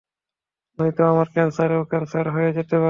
নয়তো আমার ক্যান্সারেরও ক্যান্সার হয়ে যেতে পারে।